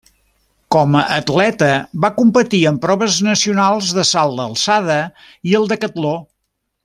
Com a atleta va competir en proves nacionals de salt d'alçada i el decatló.